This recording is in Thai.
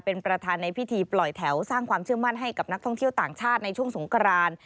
เป็นประธานในพิธีปล่อยแถวสร้างความเชื่อมั่นให้กับนักท่องเที่ยวต่างชาติในช่วงสงคราน